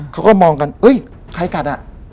เขาก็มองกันเอ้ยใครกัดอ่ะ